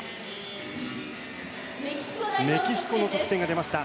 メキシコの得点が出ました。